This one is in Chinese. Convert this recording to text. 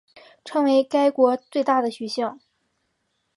成为该国最大的学校。